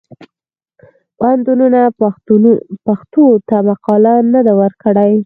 پوهنتونونه پښتو ته مقاله نه ده ورکړې.